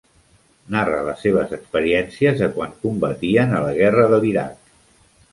Narra les seves experiències de quan combatien a la guerra de l'Iraq.